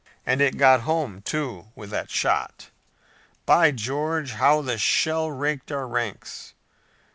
And it got home, too, with that shot! By George, how the shell raked our ranks!